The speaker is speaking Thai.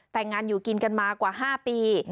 แต่งงานอยู่กินกันมากว่า๕ปี